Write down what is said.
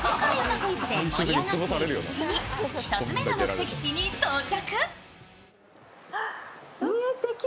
クイズで盛り上がっているうちに１つ目の目的地に到着。